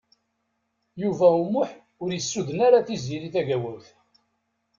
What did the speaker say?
Yuba U Muḥ ur yessuden ara Tiziri Tagawawt.